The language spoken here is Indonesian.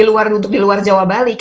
untuk di luar jawa bali